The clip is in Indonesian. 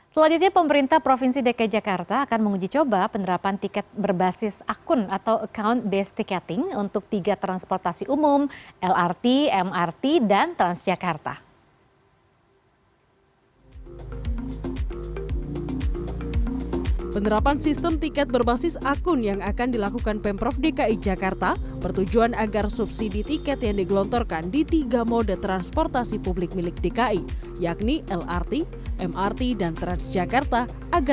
selanjutnya pemerintah provinsi dki jakarta akan menguji coba penerapan tiket berbasis akun atau account based ticketing untuk tiga transportasi umum lrt mrt dan transjakarta